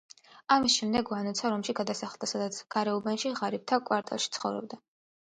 ამის შემდეგ ვანოცა რომში გადასახლდა, სადაც გარეუბანში, ღარიბთა კვარტალში ცხოვრობდა.